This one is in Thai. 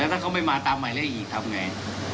แล้วถ้าเขาไม่มาตามใหม่แล้วอีกทำไง